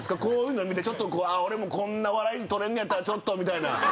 こういうの見てちょっと俺もこんな笑い取れんねやったらちょっとみたいな。